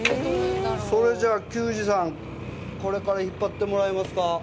それじゃあ球児さん、これから引っ張ってもらえますか。